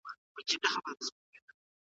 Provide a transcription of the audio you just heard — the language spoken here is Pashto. که پوهنتونونه فعال وي نو ځوانان نه مایوسه کیږي.